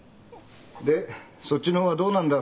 でそっちの方はどうなんだ？